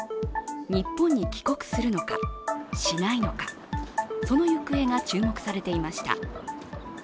日本に帰国するのか、しないのか、その行方が注目されていました。